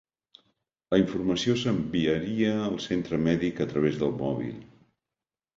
La informació s'enviaria al centre mèdic a través del mòbil.